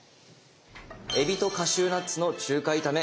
「えびとカシューナッツの中華炒め」